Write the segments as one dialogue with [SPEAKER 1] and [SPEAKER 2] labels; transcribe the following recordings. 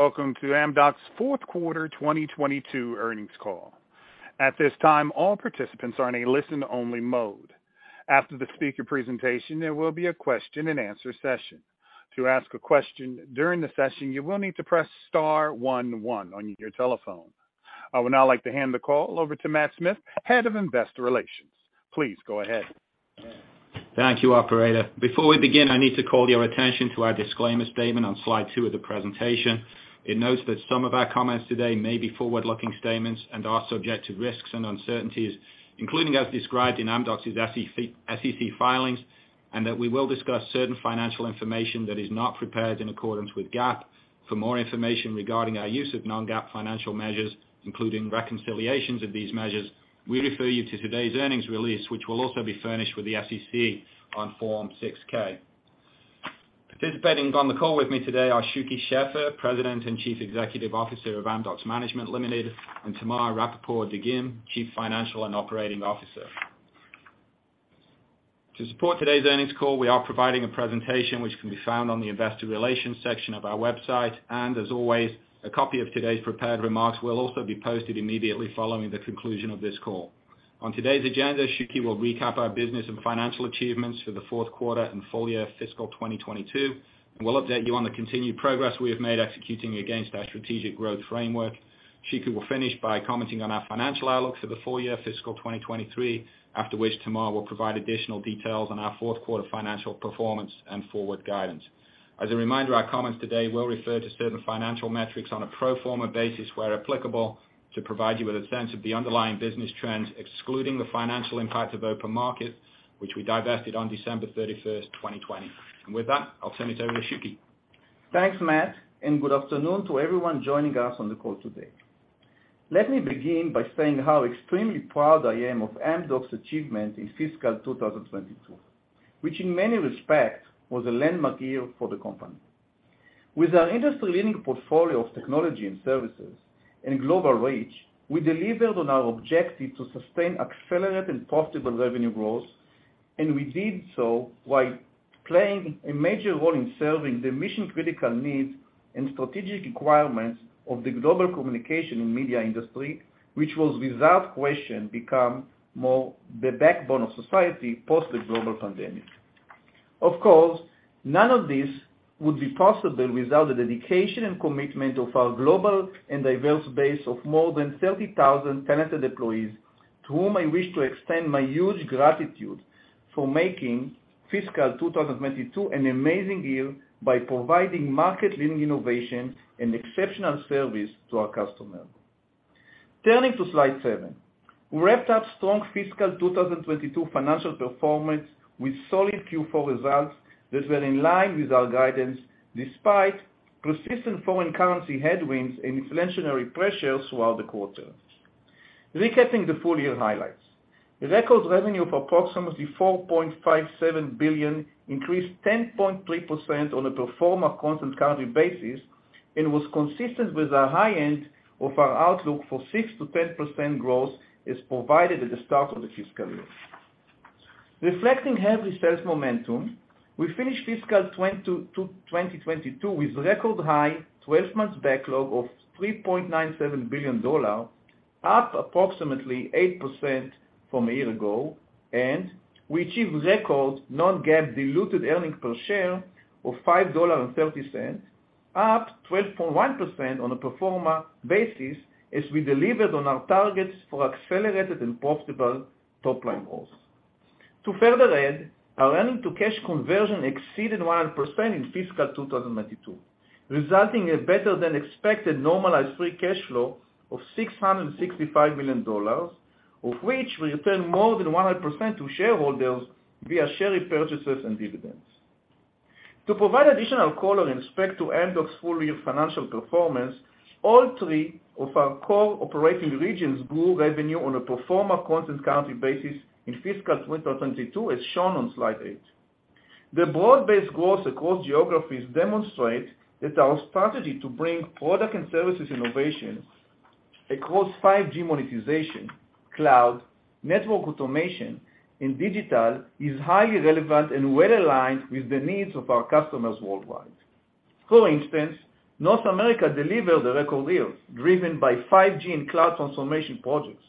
[SPEAKER 1] Welcome to Amdocs' fourth quarter 2022 earnings call. At this time, all participants are in a listen-only mode. After the speaker presentation, there will be a question and answer session. To ask a question during the session, you will need to press star one one on your telephone. I would now like to hand the call over to Matthew Smith, Head of Investor Relations. Please go ahead.
[SPEAKER 2] Thank you, operator. Before we begin, I need to call your attention to our disclaimer statement on slide two of the presentation. It notes that some of our comments today may be forward-looking statements and are subject to risks and uncertainties, including as described in Amdocs' SEC filings, and that we will discuss certain financial information that is not prepared in accordance with GAAP. For more information regarding our use of non-GAAP financial measures, including reconciliations of these measures, we refer you to today's earnings release, which will also be furnished with the SEC on Form 6-K. Participating on the call with me today are Shuky Sheffer, President and Chief Executive Officer of Amdocs Management Limited, and Tamar Rapaport-Dagim, Chief Financial and Operating Officer. To support today's earnings call, we are providing a presentation which can be found on the investor relations section of our website, and as always, a copy of today's prepared remarks will also be posted immediately following the conclusion of this call. On today's agenda, Shuky will recap our business and financial achievements for the fourth quarter and full year fiscal 2022, and we'll update you on the continued progress we have made executing against our strategic growth framework. Shuky will finish by commenting on our financial outlook for the full year fiscal 2023, after which Tamar will provide additional details on our fourth quarter financial performance and forward guidance. As a reminder, our comments today will refer to certain financial metrics on a pro forma basis where applicable, to provide you with a sense of the underlying business trends, excluding the financial impact of OpenMarket, which we divested on December 31st, 2020. With that, I'll send it over to Shuky.
[SPEAKER 3] Thanks, Matt, good afternoon to everyone joining us on the call today. Let me begin by saying how extremely proud I am of Amdocs' achievement in fiscal 2022, which in many respects was a landmark year for the company. With our industry-leading portfolio of technology and services and global reach, we delivered on our objective to sustain accelerated and profitable revenue growth. We did so while playing a major role in serving the mission-critical needs and strategic requirements of the global communication and media industry, which has without question become more the backbone of society post the global pandemic. Of course, none of this would be possible without the dedication and commitment of our global and diverse base of more than 30,000 talented employees, to whom I wish to extend my huge gratitude for making fiscal 2022 an amazing year by providing market-leading innovation and exceptional service to our customers. Turning to slide seven. We wrapped up strong fiscal 2022 financial performance with solid Q4 results that were in line with our guidance, despite persistent foreign currency headwinds and inflationary pressures throughout the quarter. Recapping the full-year highlights. Record revenue of approximately $4.57 billion increased 10.3% on a pro forma constant currency basis and was consistent with our high end of our outlook for 6%-10% growth as provided at the start of the fiscal year. Reflecting heavy sales momentum, we finished fiscal 2022 with record high 12 months backlog of $3.97 billion, up approximately 8% from a year ago. We achieved record non-GAAP diluted earnings per share of $5.30, up 12.1% on a pro forma basis as we delivered on our targets for accelerated and profitable top-line growth. To further add, our earnings to cash conversion exceeded 100% in fiscal 2022, resulting in better than expected normalized free cash flow of $665 million, of which we returned more than 100% to shareholders via share repurchases and dividends. To provide additional color and spec to Amdocs' full-year financial performance, all three of our core operating regions grew revenue on a pro forma constant currency basis in fiscal 2022, as shown on slide eight. The broad-based growth across geographies demonstrate that our strategy to bring product and services innovation across 5G monetization, cloud, network automation, and digital is highly relevant and well-aligned with the needs of our customers worldwide. For instance, North America delivered a record year driven by 5G and cloud transformation projects.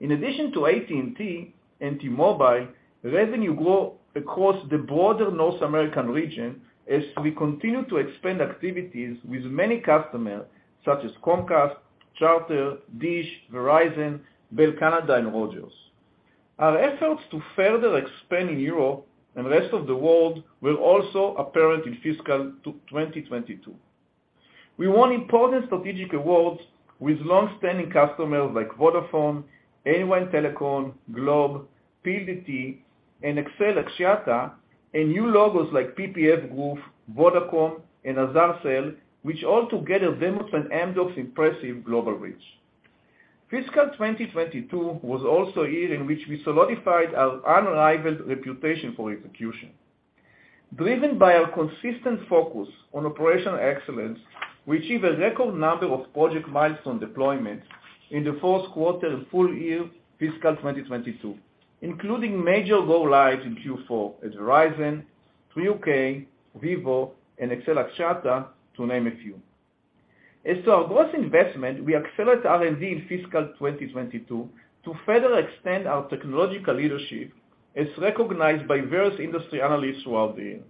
[SPEAKER 3] In addition to AT&T and T-Mobile, revenue grew across the broader North American region as we continued to expand activities with many customers, such as Comcast, Charter, Dish, Verizon, Bell Canada, and Rogers. Our efforts to further expand in Europe and rest of the world were also apparent in fiscal 2022. We won important strategic awards with longstanding customers like Vodafone, A1 Telekom, Globe, PLDT, and XL Axiata. New logos like PPF Group, Vodacom, and Azercell, which all together demonstrate Amdocs' impressive global reach. Fiscal 2022 was also a year in which we solidified our unrivaled reputation for execution. Driven by our consistent focus on operational excellence, we achieved a record number of project milestone deployments in the fourth quarter and full year fiscal 2022, including major go-lives in Q4 at Verizon, Three UK, Vivo, and XL Axiata, to name a few. As to our growth investment, we accelerated R&D in fiscal 2022 to further extend our technological leadership, as recognized by various industry analysts throughout the year.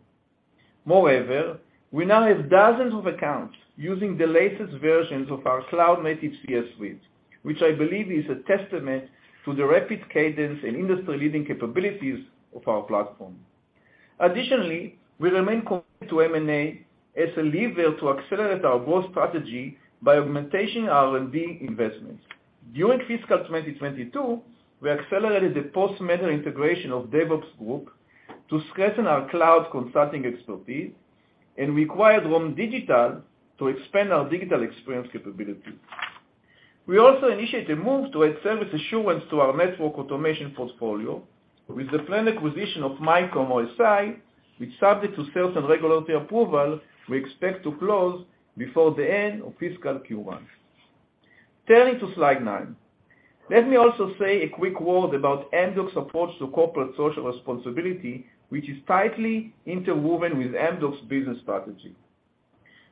[SPEAKER 3] Moreover, we now have dozens of accounts using the latest versions of our cloud-native CES suite, which I believe is a testament to the rapid cadence and industry-leading capabilities of our platform. Additionally, we remain committed to M&A as a lever to accelerate our growth strategy by augmentation our R&D investments. During fiscal 2022, we accelerated the post-merger integration of DevOpsGroup to strengthen our cloud consulting expertise and acquired Roam Digital to expand our digital experience capabilities. We also initiate a move to add service assurance to our network automation portfolio with the planned acquisition of MYCOM OSI, which subject to sales and regulatory approval, we expect to close before the end of fiscal Q1. Turning to slide nine. Let me also say a quick word about Amdocs' approach to corporate social responsibility, which is tightly interwoven with Amdocs' business strategy.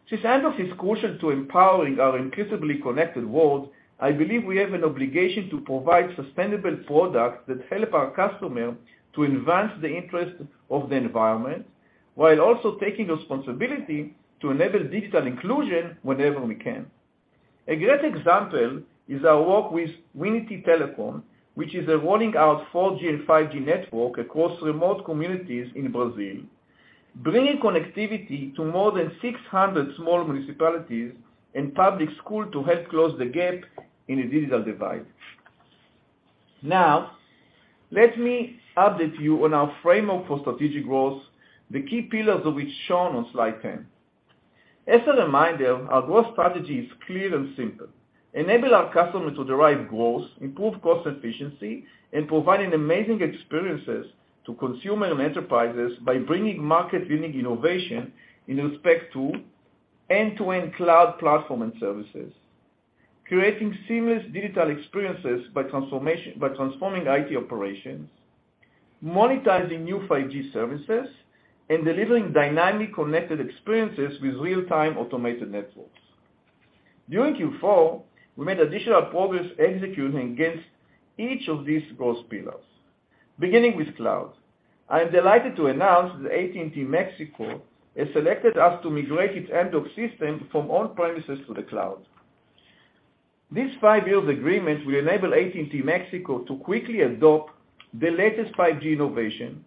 [SPEAKER 3] Since Amdocs is crucial to empowering our increasingly connected world, I believe we have an obligation to provide sustainable products that help our customer to advance the interest of the environment, while also taking responsibility to enable digital inclusion wherever we can. A great example is our work with Winity Telecom, which is rolling out 4G and 5G network across remote communities in Brazil, bringing connectivity to more than 600 small municipalities and public school to help close the gap in the digital divide. Now, let me update you on our framework for strategic growth, the key pillars of which shown on slide 10. As a reminder, our growth strategy is clear and simple. Enable our customer to derive growth, improve cost efficiency, and provide an amazing experiences to consumer and enterprises by bringing market-winning innovation in respect to end-to-end cloud platform and services, creating seamless digital experiences by transforming IT operations, monetizing new 5G services, and delivering dynamically connected experiences with real-time automated networks. During Q4, we made additional progress executing against each of these growth pillars. Beginning with cloud. I am delighted to announce that AT&T Mexico has selected us to migrate its Amdocs system from on-premises to the cloud. This five-year agreement will enable AT&T Mexico to quickly adopt the latest 5G innovation,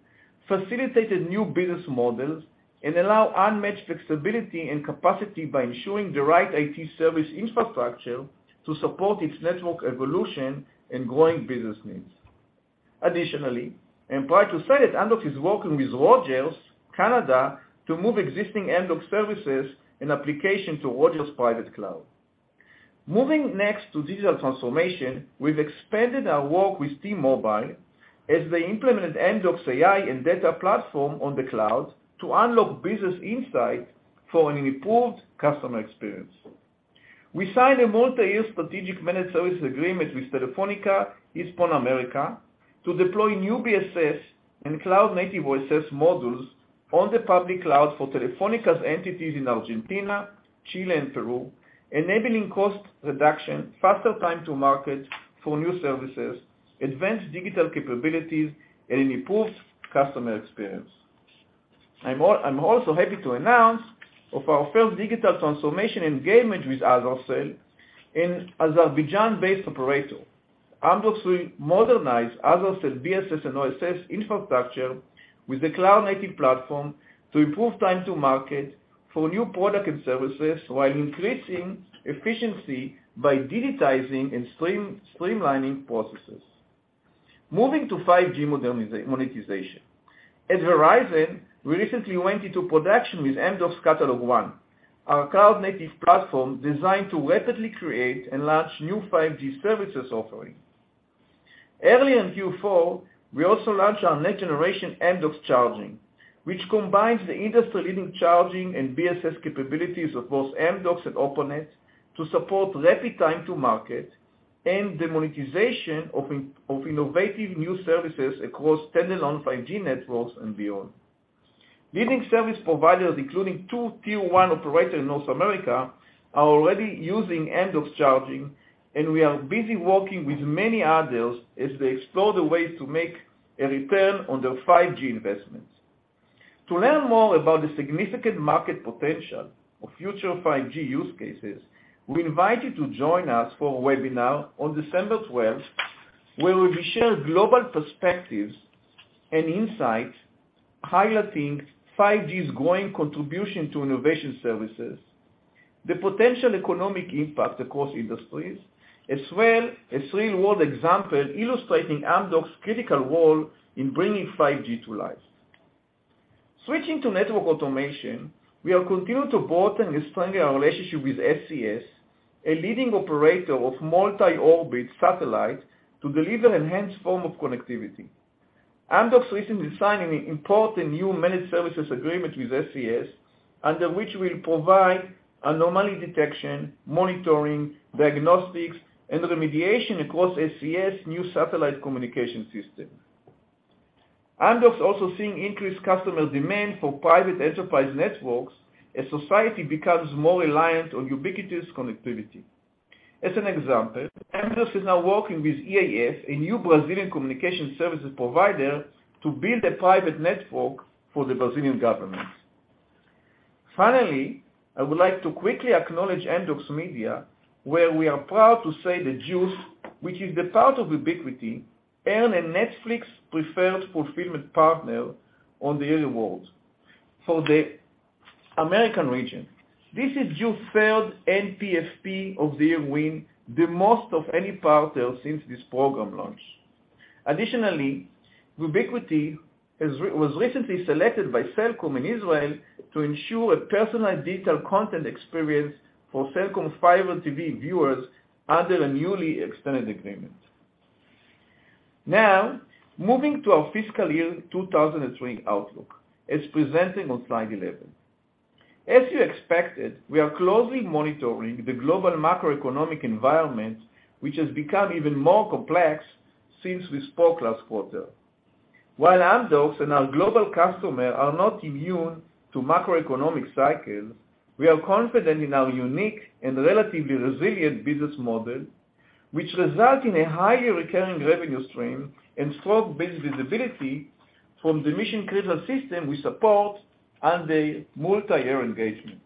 [SPEAKER 3] facilitate new business models, and allow unmatched flexibility and capacity by ensuring the right IT service infrastructure to support its network evolution and growing business needs. Additionally, I'm proud to say that Amdocs is working with Rogers Canada to move existing Amdocs services and application to Rogers private cloud. Moving next to digital transformation, we've expanded our work with T-Mobile as they implemented Amdocs AI and data platform on the cloud to unlock business insight for an improved customer experience. We signed a multi-year strategic Managed Services agreement with Telefonica Hispanoamerica to deploy new BSS and cloud-native OSS models on the public cloud for Telefónica's entities in Argentina, Chile, and Peru, enabling cost reduction, faster time to market for new services, advanced digital capabilities, and an improved customer experience. I'm also happy to announce of our first digital transformation engagement with Azercell, an Azerbaijan-based operator. Amdocs will modernize Azercell BSS and OSS infrastructure with the cloud-native platform to improve time to market for new product and services, while increasing efficiency by digitizing and streamlining processes. Moving to 5G modernization monetization. At Verizon, we recently went into production with Amdocs CatalogONE, our cloud-native platform designed to rapidly create and launch new 5G services offering. Early in Q4, we also launched our next-generation Amdocs Charging, which combines the industry-leading charging and BSS capabilities of both Amdocs and Openet to support rapid time to market and the monetization of innovative new services across standalone 5G networks and beyond. Leading service providers, including two tier 1 operator in North America, are already using Amdocs Charging, and we are busy working with many others as they explore the ways to make a return on their 5G investments. To learn more about the significant market potential of future 5G use cases, we invite you to join us for a webinar on December 12th, where we will share global perspectives and insight highlighting 5G's growing contribution to innovation services, the potential economic impact across industries, as well as real-world example illustrating Amdocs critical role in bringing 5G to life. Switching to network automation, we are continued to broaden and strengthen our relationship with SES, a leading operator of multi-orbit satellite to deliver enhanced form of connectivity. Amdocs recently signed an important new Managed Services agreement with SES, under which we'll provide anomaly detection, monitoring, diagnostics, and remediation across SES new satellite communication system. Amdocs is also seeing increased customer demand for private enterprise networks as society becomes more reliant on ubiquitous connectivity. As an example, Amdocs is now working with EAF, a new Brazilian communication services provider, to build a private network for the Brazilian government. Finally, I would like to quickly acknowledge Amdocs Media, where we are proud to say that Juice, which is the part of Vubiquity, earned a Netflix Preferred Fulfillment Partner On The Air awards for the American region. This is Juice third NPFP award win, the most of any partner since this program launch. Additionally, Vubiquity was recently selected by Cellcom in Israel to ensure a personalized digital content experience for Cellcom fiber TV viewers under a newly extended agreement. Moving to our FY 2023 outlook, as presented on slide 11. As you expected, we are closely monitoring the global macroeconomic environment, which has become even more complex since we spoke last quarter. While Amdocs and our global customer are not immune to macroeconomic cycles, we are confident in our unique and relatively resilient business model, which result in a highly recurring revenue stream and strong business visibility from the mission-critical system we support and a multi-year engagement.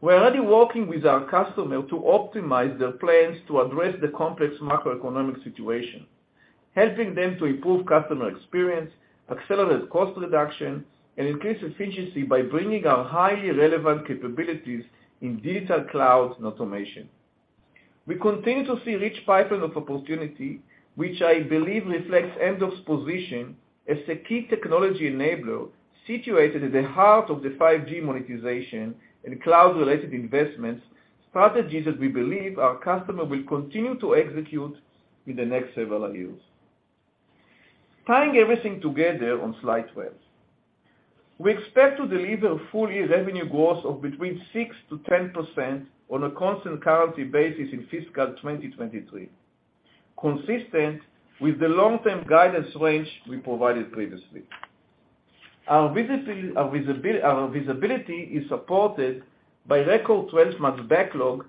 [SPEAKER 3] We're already working with our customer to optimize their plans to address the complex macroeconomic situation, helping them to improve customer experience, accelerate cost reduction, and increase efficiency by bringing our highly relevant capabilities in digital cloud and automation. We continue to see rich pipeline of opportunity, which I believe reflects Amdocs position as a key technology enabler situated at the heart of the 5G monetization and cloud-related investments, strategies that we believe our customer will continue to execute in the next several years. Tying everything together on slide 12. We expect to deliver full-year revenue growth of between 6%-10% on a constant currency basis in fiscal 2023, consistent with the long-term guidance range we provided previously. Our visibility is supported by record 12-month backlog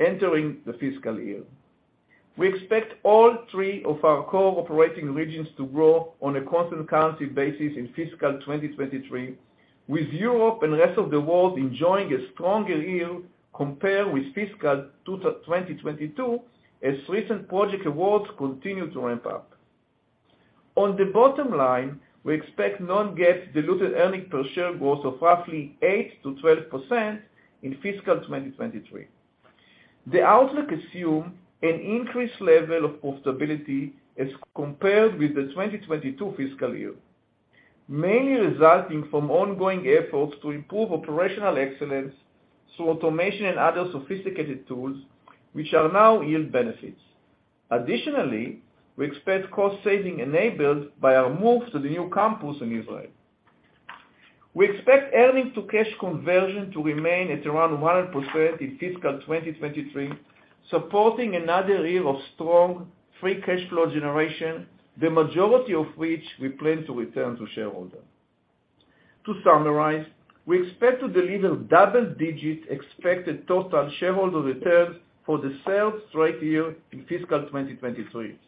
[SPEAKER 3] entering the fiscal year. We expect all three of our core operating regions to grow on a constant currency basis in fiscal 2023, with Europe and rest of the world enjoying a stronger year compared with fiscal 2022, as recent project awards continue to ramp up. On the bottom line, we expect non-GAAP diluted earnings per share growth of roughly 8%-12% in fiscal 2023. The outlook assume an increased level of profitability as compared with the 2022 fiscal year, mainly resulting from ongoing efforts to improve operational excellence through automation and other sophisticated tools, which are now yield benefits. Additionally, we expect cost saving enabled by our move to the new campus in Israel. We expect earning to cash conversion to remain at around 100% in fiscal 2023, supporting another year of strong free cash flow generation, the majority of which we plan to return to shareholder. To summarize, we expect to deliver double-digit expected total shareholder returns for the third straight year in fiscal 2023,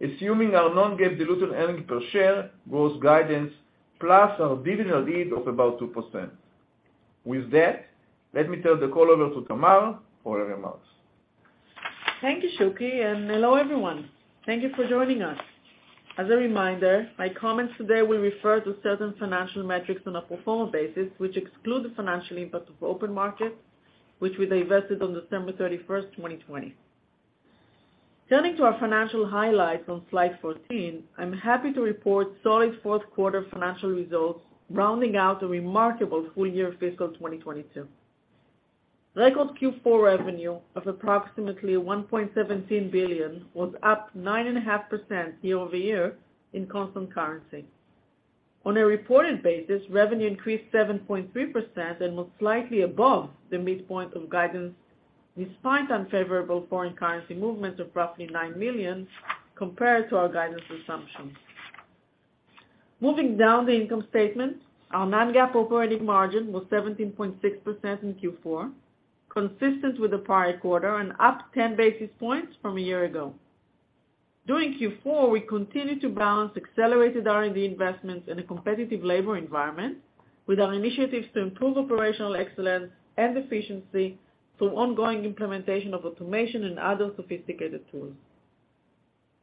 [SPEAKER 3] assuming our non-GAAP diluted earnings per share, gross guidance, plus our dividend yield of about 2%. With that, let me turn the call over to Tamar for remarks.
[SPEAKER 4] Thank you, Shuky, and hello, everyone. Thank you for joining us. As a reminder, my comments today will refer to certain financial metrics on a pro forma basis, which exclude the financial impact of OpenMarket, which we divested on December 31st, 2020. Turning to our financial highlights on slide 14, I'm happy to report solid fourth quarter financial results rounding out a remarkable full year fiscal 2022. Record Q4 revenue of approximately $1.17 billion was up 9.5% year-over-year in constant currency. On a reported basis, revenue increased 7.3% and was slightly above the midpoint of guidance, despite unfavorable foreign currency movements of roughly $9 million compared to our guidance assumptions. Moving down the income statement, our non-GAAP operating margin was 17.6% in Q4, consistent with the prior quarter and up 10 basis points from a year ago. During Q4, we continued to balance accelerated R&D investments in a competitive labor environment with our initiatives to improve operational excellence and efficiency through ongoing implementation of automation and other sophisticated tools.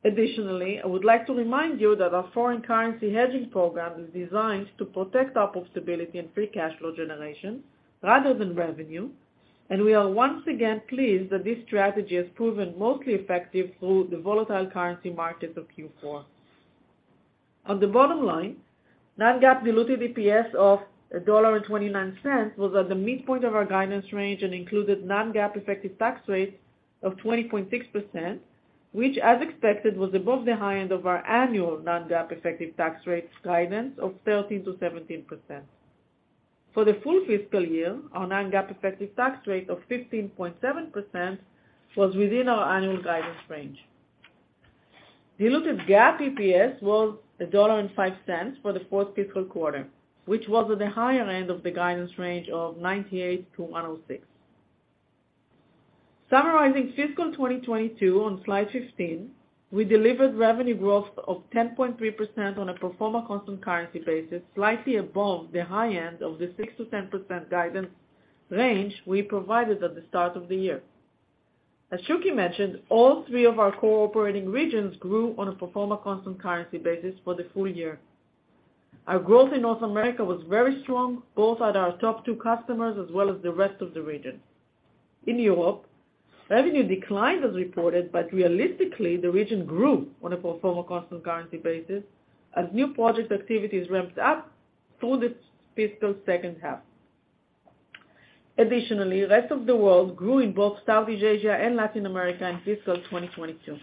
[SPEAKER 4] Additionally, I would like to remind you that our foreign currency hedging program is designed to protect our profitability and free cash flow generation rather than revenue, and we are once again pleased that this strategy has proven mostly effective through the volatile currency markets of Q4. On the bottom line, non-GAAP diluted EPS of $1.29 was at the midpoint of our guidance range and included non-GAAP effective tax rate of 20.6%, which, as expected, was above the high end of our annual non-GAAP effective tax rate guidance of 13%-17%. For the full fiscal year, our non-GAAP effective tax rate of 15.7% was within our annual guidance range. Diluted GAAP EPS was $1.05 for the fourth fiscal quarter, which was at the higher end of the guidance range of $0.98 to $1.06. Summarizing fiscal year 2022 on slide 15, we delivered revenue growth of 10.3% on a pro forma constant currency basis, slightly above the high end of the 6%-10% guidance range we provided at the start of the year. As Shuky mentioned, all three of our core operating regions grew on a pro forma constant currency basis for the full year. Our growth in North America was very strong, both at our top two customers as well as the rest of the region. In Europe, revenue declined as reported, but realistically, the region grew on a pro forma constant currency basis as new project activities ramped up through the fiscal second half. Rest of the world grew in both Southeast Asia and Latin America in fiscal year 2022.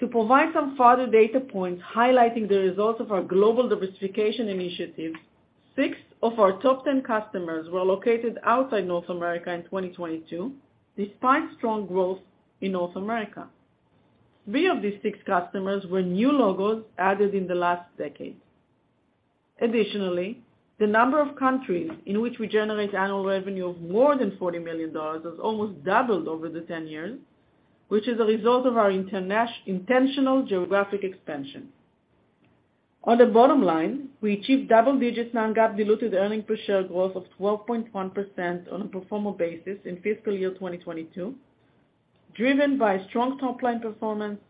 [SPEAKER 4] To provide some further data points highlighting the results of our global diversification initiative, 6 of our top 10 customers were located outside North America in 2022, despite strong growth in North America. 3 of these 6 customers were new logos added in the last decade. The number of countries in which we generate annual revenue of more than $40 million has almost doubled over the 10 years, which is a result of our intentional geographic expansion. On the bottom line, we achieved double-digit non-GAAP diluted earnings per share growth of 12.1% on a pro forma basis in fiscal year 2022, driven by strong top-line performance,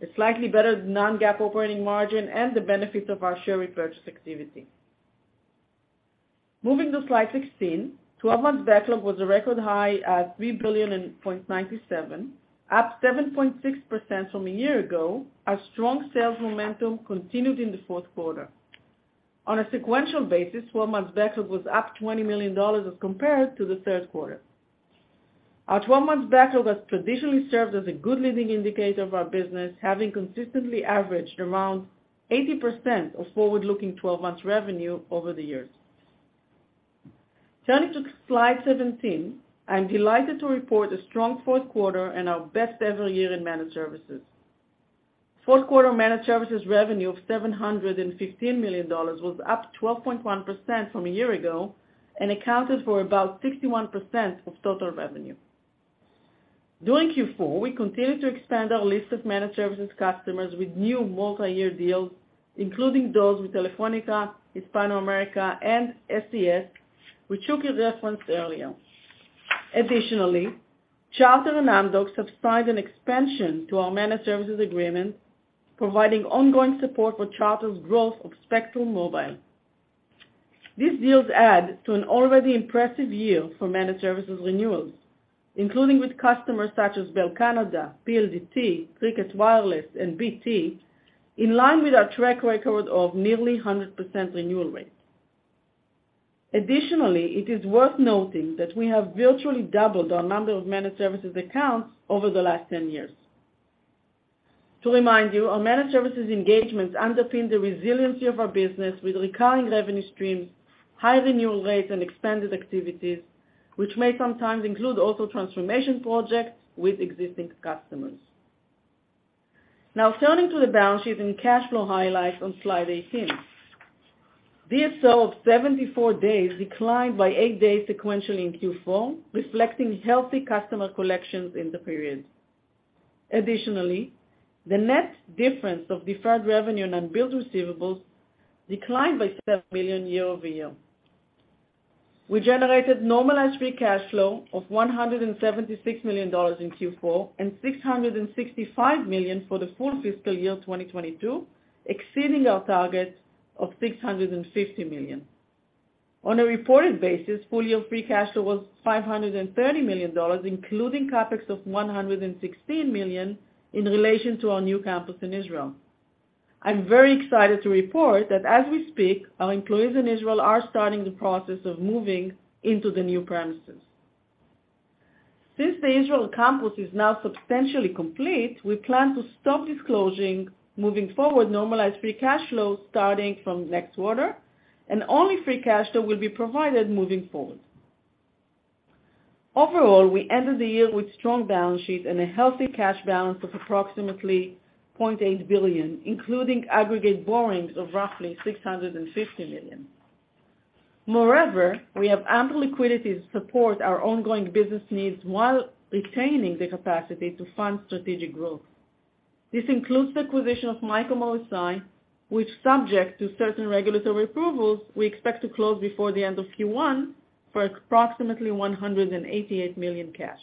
[SPEAKER 4] a slightly better non-GAAP operating margin, and the benefits of our share repurchase activity. Moving to slide 16, 12-months backlog was a record high at $3.97 billion, up 7.6% from a year ago, as strong sales momentum continued in the fourth quarter. On a sequential basis, 12-month backlog was up $20 million as compared to the third quarter. Our 12-months backlog has traditionally served as a good leading indicator of our business, having consistently averaged around 80% of forward-looking 12-months revenue over the years. Turning to slide 17, I'm delighted to report a strong fourth quarter and our best-ever year in Managed Services. Fourth quarter Managed Services revenue of $715 million was up 12.1% from a year ago and accounted for about 61% of total revenue. During Q4, we continued to expand our list of Managed Services customers with new multiyear deals, including those with Telefonica Hispanoamerica and SES, which Shuky referenced earlier. Charter and Amdocs have signed an expansion to our Managed Services agreement, providing ongoing support for Charter's growth of Spectrum Mobile. These deals add to an already impressive year for Managed Services renewals, including with customers such as Bell Canada, PLDT, Cricket Wireless, and BT, in line with our track record of nearly 100% renewal rate. It is worth noting that we have virtually doubled our number of Managed Services accounts over the last 10 years. To remind you, our Managed Services engagements underpin the resiliency of our business with recurring revenue streams, high renewal rates, and expanded activities, which may sometimes include also transformation projects with existing customers. Turning to the balance sheet and cash flow highlights on slide 18, DSO of 74 days declined by 8 days sequentially in Q4, reflecting healthy customer collections in the period. The net difference of deferred revenue and unbilled receivables declined by $7 million year-over-year. We generated normalized free cash flow of $176 million in Q4, and $665 million for the full fiscal year 2022, exceeding our target of $650 million. On a reported basis, full-year free cash flow was $530 million, including CapEx of $116 million in relation to our new campus in Israel. I'm very excited to report that as we speak, our employees in Israel are starting the process of moving into the new premises. Since the Israel campus is now substantially complete, we plan to stop disclosing moving forward normalized free cash flow starting from next quarter, and only free cash flow will be provided moving forward. Overall, we ended the year with strong balance sheet and a healthy cash balance of approximately $0.8 billion, including aggregate borrowings of roughly $650 million. We have ample liquidity to support our ongoing business needs while retaining the capacity to fund strategic growth. This includes the acquisition of MYCOM OSI, which subject to certain regulatory approvals, we expect to close before the end of Q1 for approximately $188 million cash.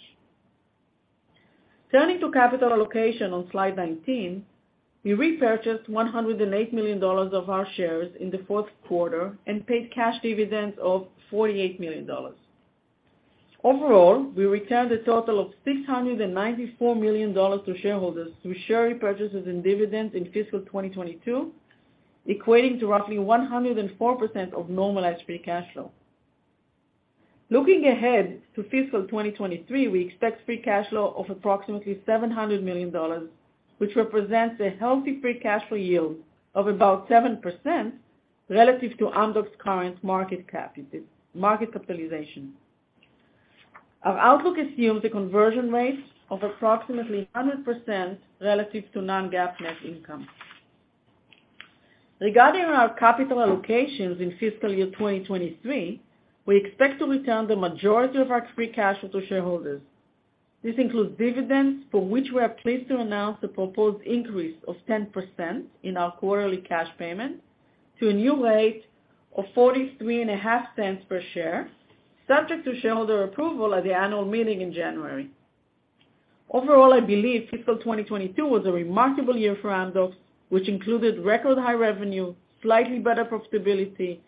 [SPEAKER 4] Turning to capital allocation on slide 19, we repurchased $108 million of our shares in the fourth quarter and paid cash dividends of $48 million. We returned a total of $694 million to shareholders through share repurchases and dividends in fiscal 2022, equating to roughly 104% of normalized free cash flow. Looking ahead to fiscal 2023, we expect free cash flow of approximately $700 million, which represents a healthy free cash flow yield of about 7% relative to Amdocs current market capitalization. Our outlook assumes a conversion rate of approximately 100% relative to non-GAAP net income. Regarding our capital allocations in fiscal year 2023, we expect to return the majority of our free cash flow to shareholders. This includes dividends, for which we are pleased to announce a proposed increase of 10% in our quarterly cash payment to a new rate of $0.435 per share, subject to shareholder approval at the annual meeting in January. I believe fiscal 2022 was a remarkable year for Amdocs, which included record high revenue, slightly better profitability,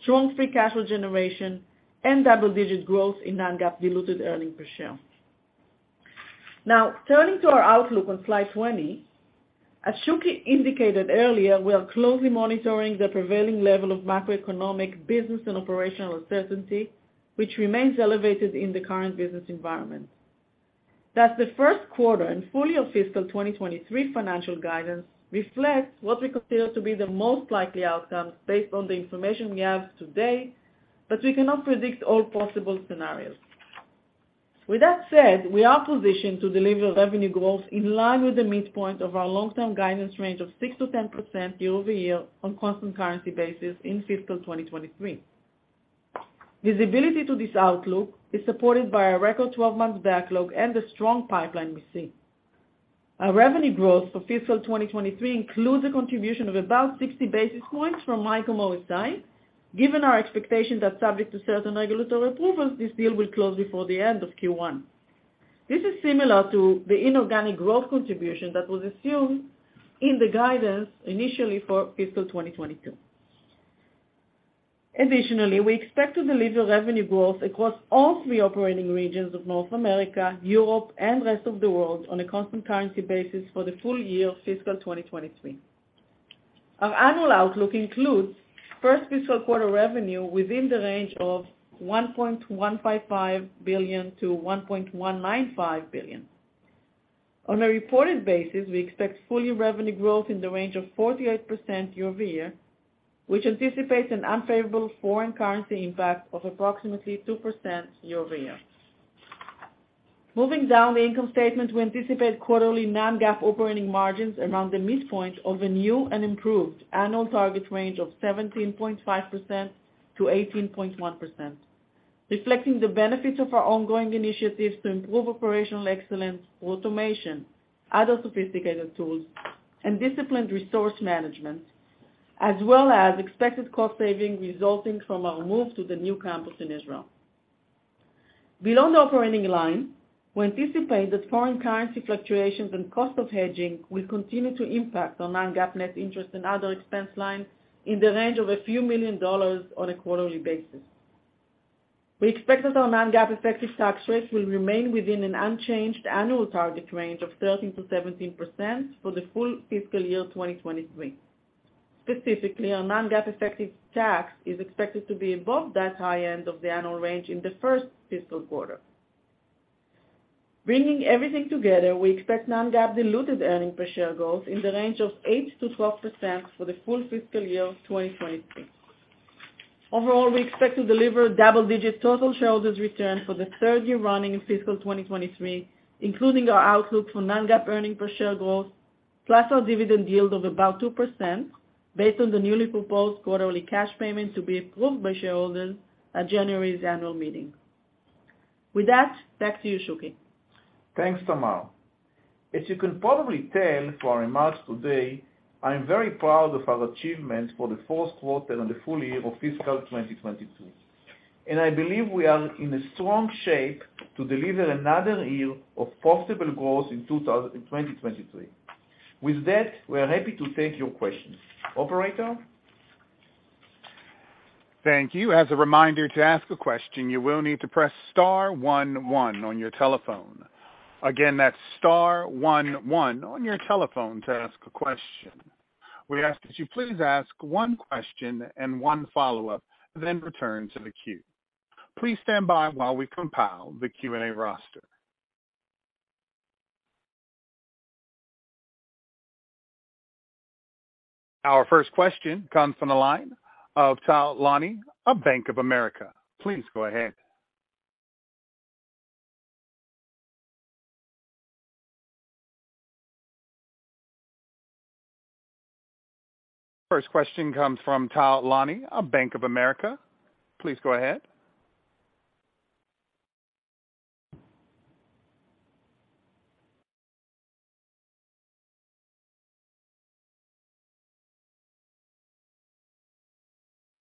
[SPEAKER 4] strong free cash flow generation, and double-digit growth in non-GAAP diluted earnings per share. Turning to our outlook on Slide 20. As Shuky indicated earlier, we are closely monitoring the prevailing level of macroeconomic business and operational uncertainty, which remains elevated in the current business environment. The first quarter and full year fiscal 2023 financial guidance reflects what we consider to be the most likely outcome based on the information we have today. We cannot predict all possible scenarios. We are positioned to deliver revenue growth in line with the midpoint of our long-term guidance range of 6%-10% year-over-year on constant currency basis in fiscal 2023. Visibility to this outlook is supported by a record 12-months backlog and the strong pipeline we see. Our revenue growth for fiscal 2023 includes a contribution of about 60 basis points from MYCOM OSI, given our expectation that subject to certain regulatory approvals, this deal will close before the end of Q1. This is similar to the inorganic growth contribution that was assumed in the guidance initially for fiscal 2022. Additionally, we expect to deliver revenue growth across all three operating regions of North America, Europe, and rest of the world on a constant currency basis for the full year of fiscal 2023. Our annual outlook includes first fiscal quarter revenue within the range of $1.155 billion-$1.195 billion. On a reported basis, we expect full-year revenue growth in the range of 4%-8% year-over-year, which anticipates an unfavorable foreign currency impact of approximately 2% year-over-year. Moving down the income statement, we anticipate quarterly non-GAAP operating margins around the midpoint of a new and improved annual target range of 17.5%-18.1%, reflecting the benefits of our ongoing initiatives to improve operational excellence, automation, other sophisticated tools, and disciplined resource management, as well as expected cost saving resulting from our move to the new campus in Israel. Below the operating line, we anticipate that foreign currency fluctuations and cost of hedging will continue to impact our non-GAAP net interest and other expense lines in the range of a few million dollars on a quarterly basis. We expect that our non-GAAP effective tax rate will remain within an unchanged annual target range of 13%-17% for the full fiscal year 2023. Specifically, our non-GAAP effective tax is expected to be above that high end of the annual range in the first fiscal quarter. Bringing everything together, we expect non-GAAP diluted earnings per share growth in the range of 8%-12% for the full fiscal year 2023. Overall, we expect to deliver double-digit total shareholders return for the third year running in fiscal 2023, including our outlook for non-GAAP earnings per share growth, plus our dividend yield of about 2% based on the newly proposed quarterly cash payment to be approved by shareholders at January's annual meeting. With that, back to you, Shuky.
[SPEAKER 3] Thanks, Tamar. As you can probably tell from our remarks today, I'm very proud of our achievements for the first quarter and the full year of fiscal 2022, and I believe we are in a strong shape to deliver another year of possible growth in 2023. With that, we are happy to take your questions. Operator?
[SPEAKER 1] Thank you. As a reminder, to ask a question, you will need to press *11 on your telephone. Again, that's *11 on your telephone to ask a question. We ask that you please ask one question and one follow-up, then return to the queue. Please stand by while we compile the Q&A roster. Our first question comes from the line of Tal Liani of Bank of America. Please go ahead. First question comes from Tal Liani of Bank of America. Please go ahead.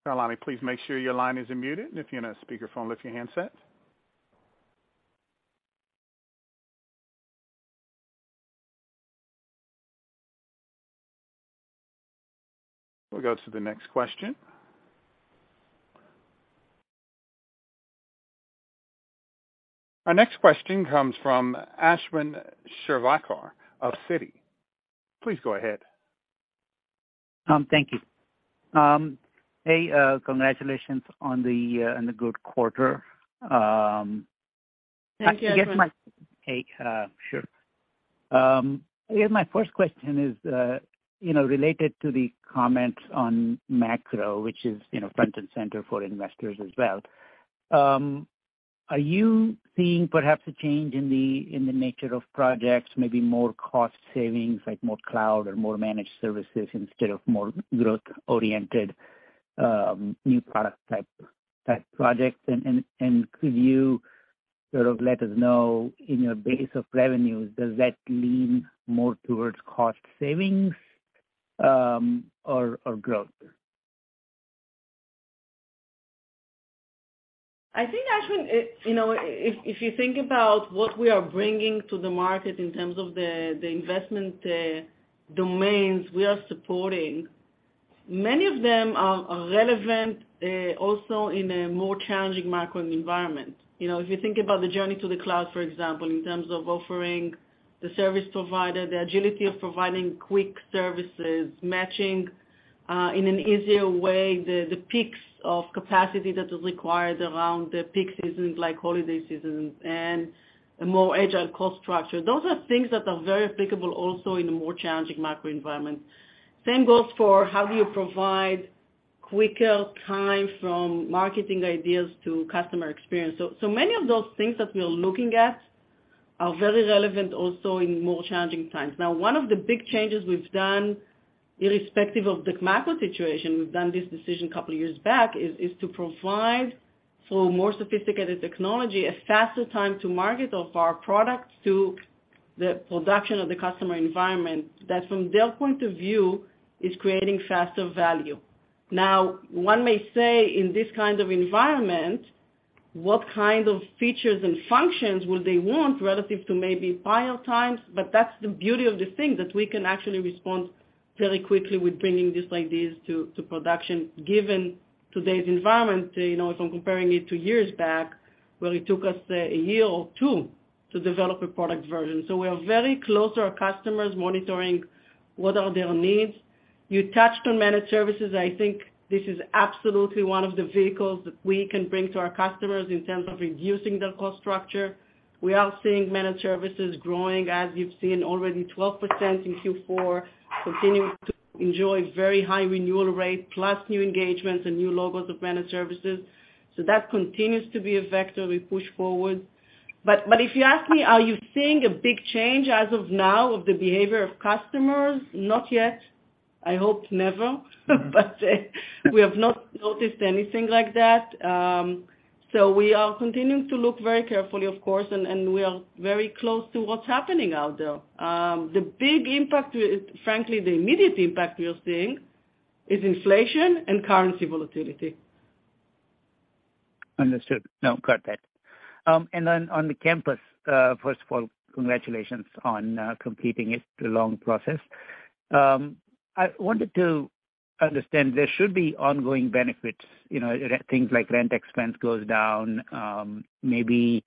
[SPEAKER 1] Tal Liani, please make sure your line isn't muted. If you're on speakerphone, lift your handset. We'll go to the next question. Our next question comes from Ashwin Shirvaikar of Citi. Please go ahead
[SPEAKER 5] Thank you. Hey, congratulations on the good quarter.
[SPEAKER 4] Thank you, Ashwin.
[SPEAKER 5] Hey, sure. I guess my first question is, related to the comments on macro, which is front and center for investors as well. Are you seeing perhaps a change in the nature of projects, maybe more cost savings, like more cloud or more Managed Services instead of more growth-oriented, new product type projects? Could you sort of let us know in your base of revenues, does that lean more towards cost savings or growth?
[SPEAKER 4] I think, Ashwin, if you think about what we are bringing to the market in terms of the investment domains we are supporting, many of them are relevant, also in a more challenging macro environment. If you think about the journey to the cloud, for example, in terms of offering the service provider the agility of providing quick services, matching, in an easier way, the peaks of capacity that is required around the peak seasons, like holiday seasons, and a more agile cost structure. Those are things that are very applicable also in a more challenging macro environment. Same goes for how do you provide quicker time from marketing ideas to customer experience. Many of those things that we are looking at are very relevant also in more challenging times. One of the big changes we've done, irrespective of the macro situation, we've done this decision a couple of years back, is to provide, through more sophisticated technology, a faster time to market of our products to the production of the customer environment, that from their point of view, is creating faster value. One may say, in this kind of environment, what kind of features and functions will they want relative to maybe prior times, but that's the beauty of the thing, that we can actually respond very quickly with bringing these ideas to production, given today's environment, from comparing it to years back where it took us a year or two to develop a product version. We are very close to our customers, monitoring what are their needs. You touched on Managed Services. I think this is absolutely one of the vehicles that we can bring to our customers in terms of reducing their cost structure. We are seeing Managed Services growing as you've seen already 12% in Q4, continuing to enjoy very high renewal rate, plus new engagements and new logos of Managed Services. That continues to be a vector we push forward. If you ask me, are you seeing a big change as of now of the behavior of customers? Not yet. I hope never. We have not noticed anything like that. We are continuing to look very carefully, of course, and we are very close to what's happening out there. The big impact, frankly, the immediate impact we are seeing is inflation and currency volatility.
[SPEAKER 5] Understood. Got that. On the campus, first of all, congratulations on completing it. It's a long process. I wanted to understand, there should be ongoing benefits, things like rent expense goes down, maybe,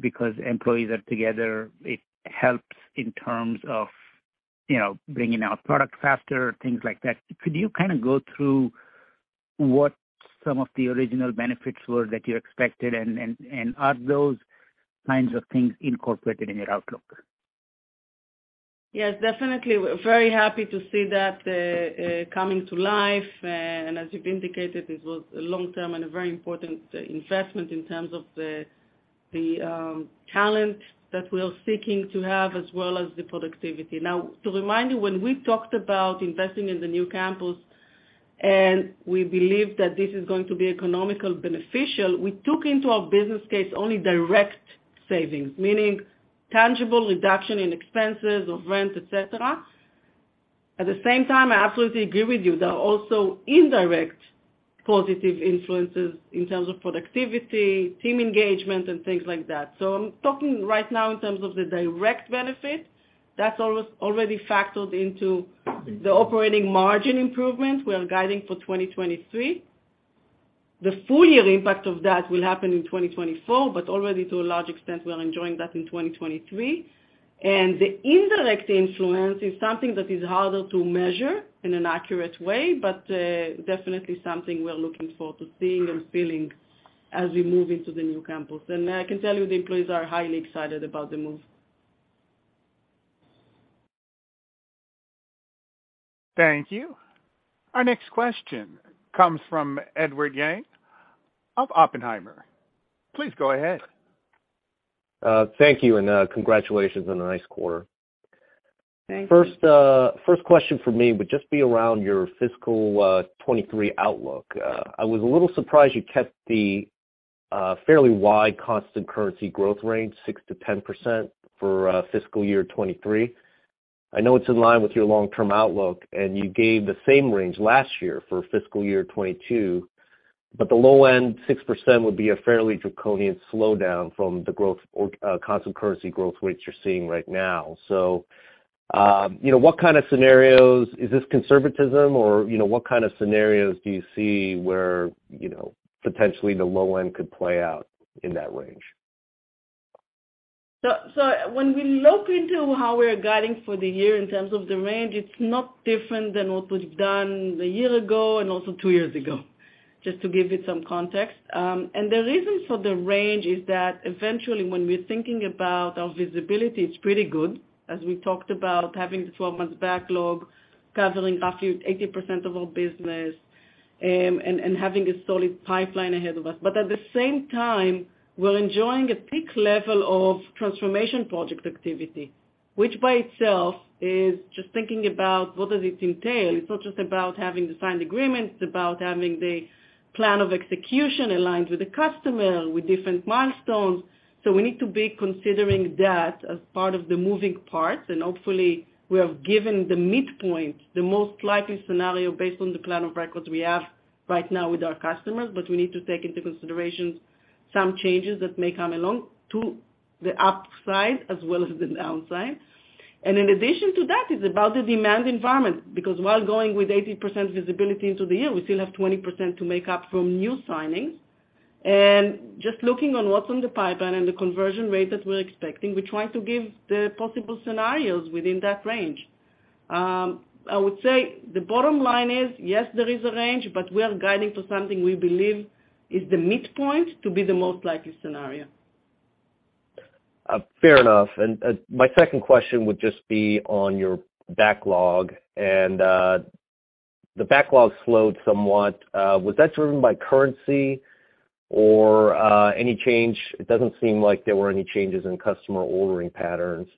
[SPEAKER 5] because employees are together, it helps in terms of bringing out product faster, things like that. Could you kind of go through what some of the original benefits were that you expected, and are those kinds of things incorporated in your outlook?
[SPEAKER 4] Yes, definitely. We're very happy to see that coming to life. As you've indicated, this was a long-term and a very important investment in terms of the talent that we are seeking to have, as well as the productivity. To remind you, when we talked about investing in the new campus, and we believe that this is going to be economically beneficial, we took into our business case only direct savings, meaning tangible reduction in expenses of rent, et cetera. At the same time, I absolutely agree with you, there are also indirect positive influences in terms of productivity, team engagement, and things like that. I'm talking right now in terms of the direct benefit. That's already factored into the operating margin improvement we are guiding for 2023. The full year impact of that will happen in 2024, but already to a large extent, we are enjoying that in 2023. The indirect influence is something that is harder to measure in an accurate way, but definitely something we're looking forward to seeing and feeling as we move into the new campus. I can tell you the employees are highly excited about the move.
[SPEAKER 1] Thank you. Our next question comes from Edward Yang of Oppenheimer. Please go ahead.
[SPEAKER 6] Thank you. Congratulations on a nice quarter.
[SPEAKER 4] Thank you.
[SPEAKER 6] First question for me would just be around your fiscal 2023 outlook. I was a little surprised you kept the fairly wide constant currency growth range, 6%-10%, for fiscal year 2023. I know it's in line with your long-term outlook, and you gave the same range last year for fiscal year 2022, but the low end, 6%, would be a fairly draconian slowdown from the constant currency growth rates you're seeing right now. Is this conservatism or what kind of scenarios do you see where potentially the low end could play out in that range?
[SPEAKER 4] When we look into how we are guiding for the year in terms of the range, it's not different than what we've done a year ago and also two years ago, just to give it some context. The reason for the range is that eventually when we're thinking about our visibility, it's pretty good, as we talked about having the 12 months backlog covering roughly 80% of our business and having a solid pipeline ahead of us. At the same time, we're enjoying a peak level of transformation project activity, which by itself is just thinking about what does it entail. It's not just about having the signed agreements, it's about having the plan of execution aligned with the customer, with different milestones. We need to be considering that as part of the moving parts. Hopefully we have given the midpoint, the most likely scenario based on the plan of record we have right now with our customers. We need to take into consideration some changes that may come along to the upside as well as the downside. In addition to that, it's about the demand environment, because while going with 80% visibility into the year, we still have 20% to make up from new signings. Just looking on what's on the pipeline and the conversion rate that we're expecting, we try to give the possible scenarios within that range. I would say the bottom line is, yes, there is a range, but we are guiding to something we believe is the midpoint to be the most likely scenario.
[SPEAKER 6] Fair enough. My second question would just be on your backlog, and the backlog slowed somewhat. Was that driven by currency or any change? It doesn't seem like there were any changes in customer ordering patterns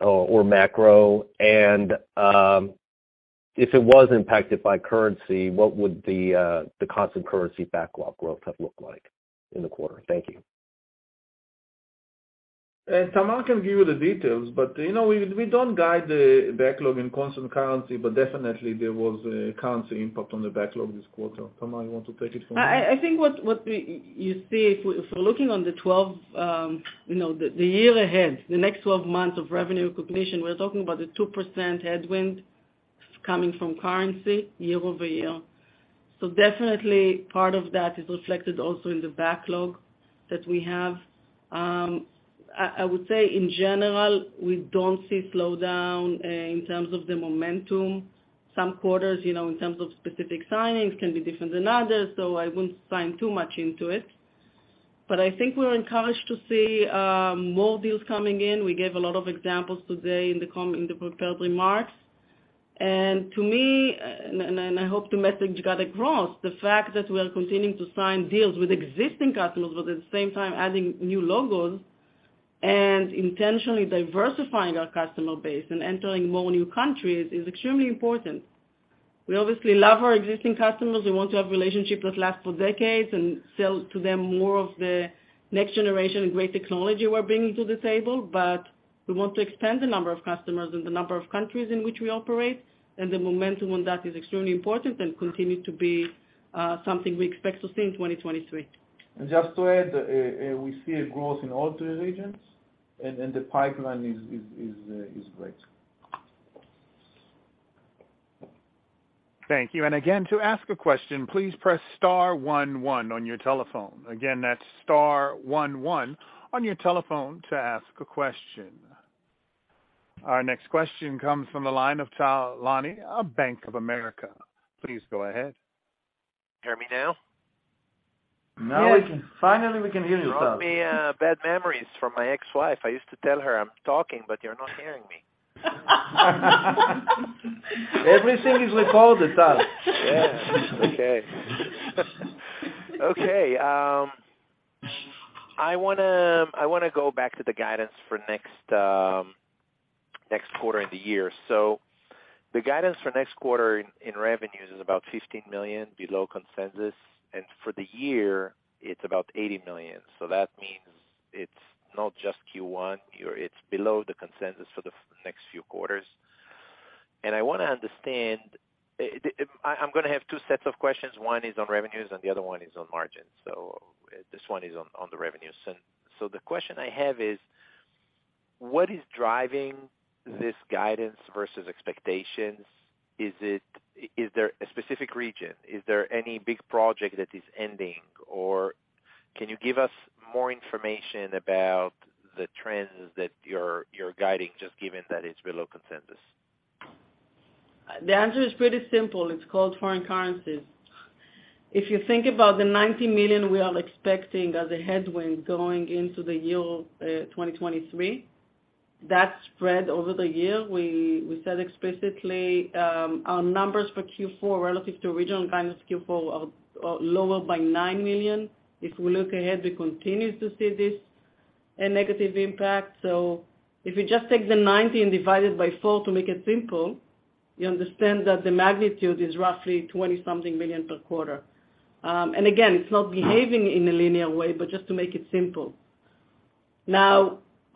[SPEAKER 6] or macro. If it was impacted by currency, what would the constant currency backlog growth have looked like in the quarter? Thank you.
[SPEAKER 3] Tamar can give you the details, we don't guide the backlog in constant currency. Definitely there was a currency impact on the backlog this quarter. Tamar, you want to take it from here?
[SPEAKER 4] I think what you see if we're looking on the year ahead, the next 12 months of revenue recognition, we're talking about a 2% headwind coming from currency year-over-year. Definitely part of that is reflected also in the backlog that we have. I would say in general, we don't see slowdown in terms of the momentum. Some quarters, in terms of specific signings can be different than others, I wouldn't sign too much into it. I think we're encouraged to see more deals coming in. We gave a lot of examples today in the prepared remarks. To me, and I hope the message got across, the fact that we are continuing to sign deals with existing customers, but at the same time adding new logos and intentionally diversifying our customer base and entering more new countries, is extremely important. We obviously love our existing customers. We want to have relationships that last for decades and sell to them more of the next generation great technology we're bringing to the table. We want to expand the number of customers and the number of countries in which we operate, and the momentum on that is extremely important and continue to be something we expect to see in 2023.
[SPEAKER 3] Just to add, we see a growth in all three regions and the pipeline is great.
[SPEAKER 1] Thank you. Again, to ask a question, please press star one one on your telephone. Again, that's star one one on your telephone to ask a question. Our next question comes from the line of Tal Liani at Bank of America. Please go ahead.
[SPEAKER 7] Hear me now?
[SPEAKER 3] Now we can. Finally, we can hear you, Tal.
[SPEAKER 7] You remind me bad memories from my ex-wife. I used to tell her I'm talking, but you're not hearing me.
[SPEAKER 3] Everything is recorded, Tal.
[SPEAKER 7] The guidance for next quarter in revenues is about $15 million below consensus, and for the year it's about $80 million. That means it's not just Q1, it's below the consensus for the next few quarters. I want to understand, I'm going to have two sets of questions. One is on revenues and the other one is on margins. This one is on the revenues. The question I have is what is driving this guidance versus expectations? Is there a specific region? Is there any big project that is ending, or can you give us more information about the trends that you're guiding, just given that it's below consensus?
[SPEAKER 4] The answer is pretty simple. It's called foreign currencies. If you think about the $90 million we are expecting as a headwind going into the year 2023, that spread over the year, we said explicitly our numbers for Q4 relative to original guidance, Q4 are lower by $9 million. If we look ahead, we continue to see this negative impact. If we just take the 90 and divide it by four to make it simple, you understand that the magnitude is roughly 20 something million per quarter. Again, it's not behaving in a linear way, but just to make it simple.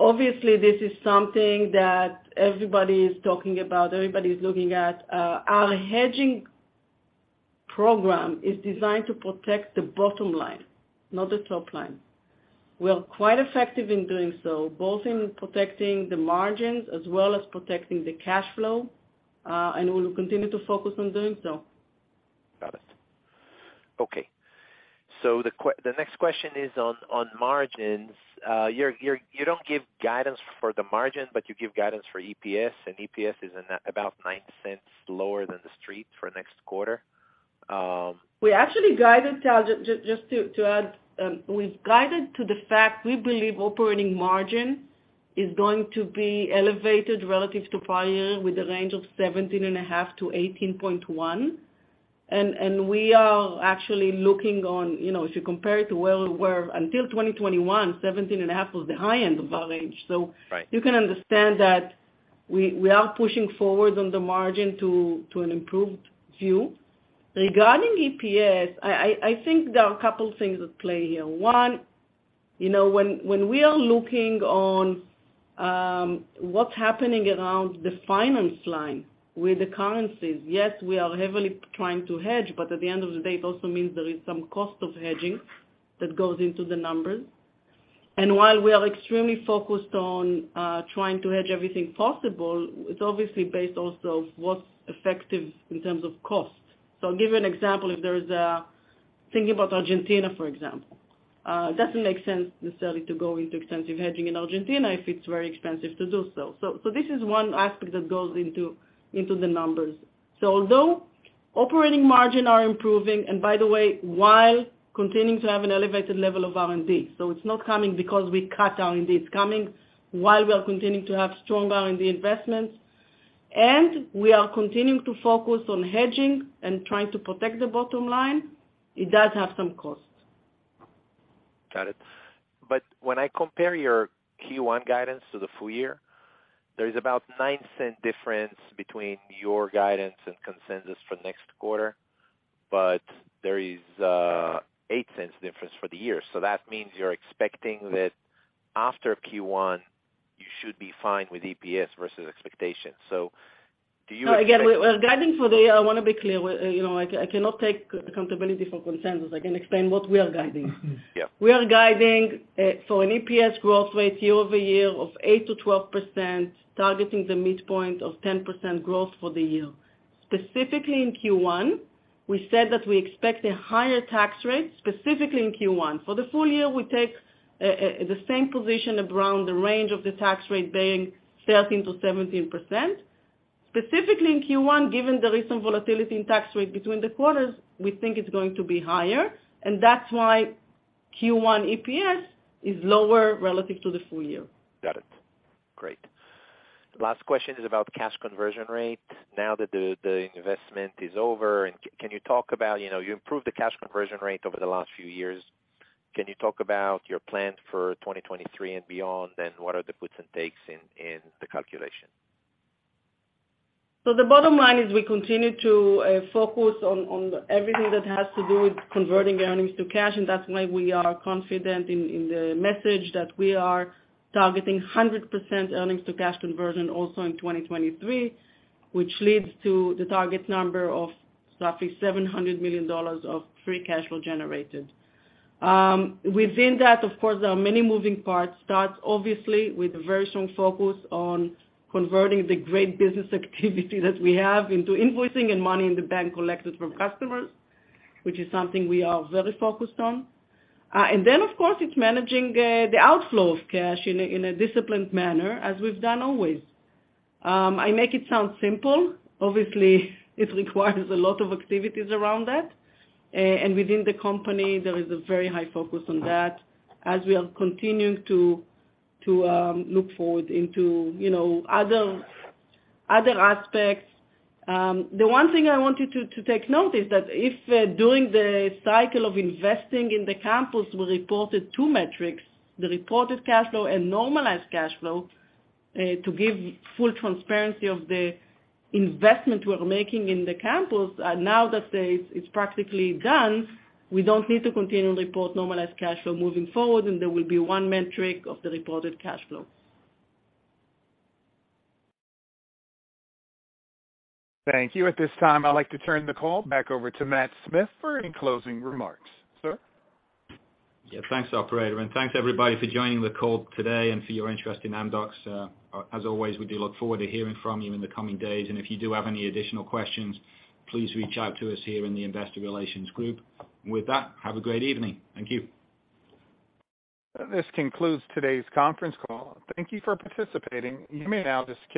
[SPEAKER 4] Obviously, this is something that everybody is talking about, everybody is looking at. Our hedging program is designed to protect the bottom line, not the top line. We are quite effective in doing so, both in protecting the margins as well as protecting the cash flow. We will continue to focus on doing so.
[SPEAKER 7] Got it. Okay. The next question is on margins. You don't give guidance for the margin, but you give guidance for EPS, and EPS is about $0.09 lower than the street for next quarter.
[SPEAKER 4] We actually guided, Tal, just to add, we guided to the fact we believe operating margin is going to be elevated relative to prior year, with a range of 17.5%-18.1%. We are actually looking on, if you compare it to where until 2021, 17.5% was the high end of our range.
[SPEAKER 7] Right.
[SPEAKER 4] You can understand that we are pushing forward on the margin to an improved view. Regarding EPS, I think there are a couple things at play here. One, when we are looking on what's happening around the finance line with the currencies, yes, we are heavily trying to hedge, but at the end of the day, it also means there is some cost of hedging that goes into the numbers. While we are extremely focused on trying to hedge everything possible, it's obviously based also what's effective in terms of cost. I'll give you an example. If there is a, thinking about Argentina, for example. It doesn't make sense necessarily to go into extensive hedging in Argentina if it's very expensive to do so. This is one aspect that goes into the numbers. Although operating margin are improving, while continuing to have an elevated level of R&D, it's not coming because we cut R&D. It's coming while we are continuing to have strong R&D investments, and we are continuing to focus on hedging and trying to protect the bottom line, it does have some costs.
[SPEAKER 7] Got it. When I compare your Q1 guidance to the full year, there is about $0.09 difference between your guidance and consensus for next quarter. There is $0.08 difference for the year.
[SPEAKER 4] I want to be clear, I cannot take accountability for consensus. I can explain what we are guiding.
[SPEAKER 7] Yeah.
[SPEAKER 4] We are guiding for an EPS growth rate year-over-year of 8%-12%, targeting the midpoint of 10% growth for the year. Specifically in Q1, we said that we expect a higher tax rate, specifically in Q1. For the full year, we take the same position around the range of the tax rate being 13%-17%. Specifically in Q1, given the recent volatility in tax rate between the quarters, we think it's going to be higher, and that's why Q1 EPS is lower relative to the full year.
[SPEAKER 7] Got it. Great. Last question is about cash conversion rate. Now that the investment is over, you improved the cash conversion rate over the last few years. Can you talk about your plans for 2023 and beyond, what are the puts and takes in the calculation?
[SPEAKER 4] The bottom line is we continue to focus on everything that has to do with converting earnings to cash, that's why we are confident in the message that we are targeting 100% earnings to cash conversion also in 2023, which leads to the target number of roughly $700 million of free cash flow generated. Within that, of course, there are many moving parts. Starts obviously with a very strong focus on converting the great business activity that we have into invoicing and money in the bank collected from customers, which is something we are very focused on. Then, of course, it's managing the outflow of cash in a disciplined manner as we've done always. I make it sound simple. Obviously, it requires a lot of activities around that. Within the company, there is a very high focus on that as we are continuing to look forward into other aspects. The one thing I wanted to take note is that if during the cycle of investing in the campus, we reported two metrics, the reported cash flow and normalized cash flow, to give full transparency of the investment we're making in the campus. Now that it's practically done, we don't need to continually report normalized cash flow moving forward, there will be one metric of the reported cash flow.
[SPEAKER 1] Thank you. At this time, I'd like to turn the call back over to Matthew Smith for any closing remarks, sir.
[SPEAKER 2] Yeah. Thanks, operator, and thanks everybody for joining the call today and for your interest in Amdocs. As always, we do look forward to hearing from you in the coming days, and if you do have any additional questions, please reach out to us here in the investor relations group. With that, have a great evening. Thank you.
[SPEAKER 1] This concludes today's conference call. Thank you for participating. You may now disconnect.